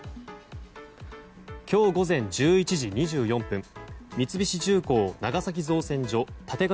今日午前１１時２４分三菱重工長崎造船所立神